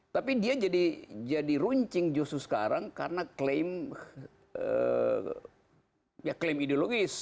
tapi dia jadi runcing justru sekarang karena klaim ideologis